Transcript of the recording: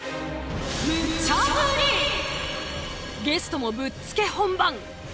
ゲストもぶっつけ本番。